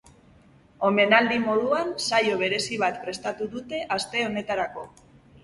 Omenaldi moduan, saio berezi bat prestatu dute aste honetarako.